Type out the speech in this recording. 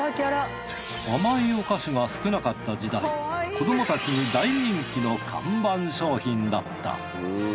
甘いお菓子が少なかった時代子ども達に大人気の看板商品だった。